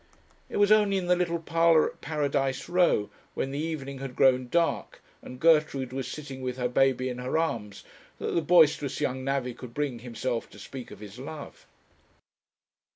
It was only in the little parlour at Paradise Row, when the evening had grown dark, and Gertrude was sitting with her baby in her arms, that the boisterous young navvy could bring himself to speak of his love.